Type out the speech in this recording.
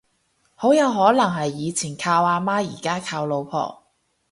好有可能係以前靠阿媽而家靠老婆